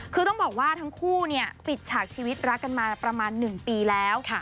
คือต้องบอกว่าทั้งคู่ปิดฉากชีวิตรักกันมาประมาณ๑ปีแล้ว